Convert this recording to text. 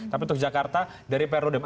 tapi untuk jakarta dari periode